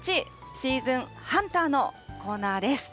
シーズンハンターのコーナーです。